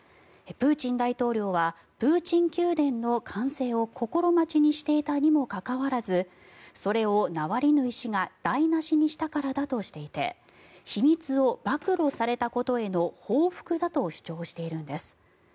プーチン大統領はプーチン宮殿の完成を心待ちにしていたにもかかわらずそれをナワリヌイ氏が台なしにしたからだとしていて秘密を暴露されたことへの報復だと主張しているんです。